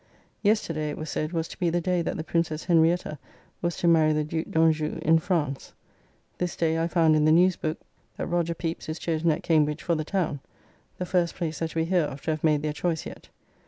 Yesterday it was said was to be the day that the Princess Henrietta was to marry the Duke d'Anjou' in France. This day I found in the newes booke that Roger Pepys is chosen at Cambridge for the town, the first place that we hear of to have made their choice yet.